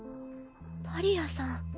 パリアさん。